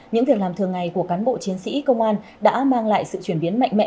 những việc làm thường ngày của cán bộ chiến sĩ công an đã mang lại sự chuyển biến mạnh mẽ